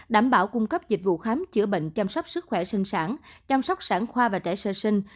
đảm bảo cung cấp dịch vụ khám chữa bệnh chăm sóc sức khỏe sinh sản chăm sóc sản khoa và trẻ sơ sinh